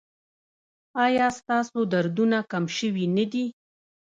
ایا ستاسو دردونه کم شوي نه دي؟